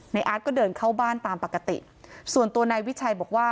อาร์ตก็เดินเข้าบ้านตามปกติส่วนตัวนายวิชัยบอกว่า